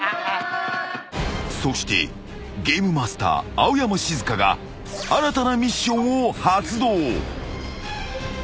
［そしてゲームマスター青山シズカが新たなミッションを発動］